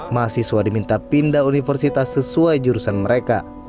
mahasiswa diminta pindah universitas sesuai jurusan mereka